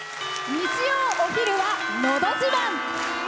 日曜のお昼は「のど自慢」。